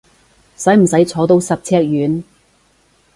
使唔使坐到十尺遠？